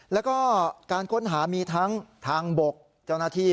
แล้วก็การค้นหามีทั้งทางบกเจ้าหน้าที่